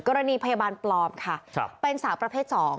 กรณีพยาบาลปลอมค่ะเป็นสาวประเภท๒